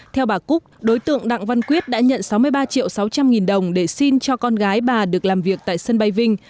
theo bà cúc đối tượng đặng văn quyết đã nhận sáu mươi ba triệu sáu trăm linh nghìn đồng để xin cho con gái bà được làm việc tại sân bay vinh